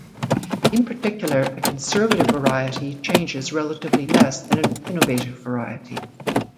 In particular, a "conservative" variety changes relatively less than an "innovative" variety.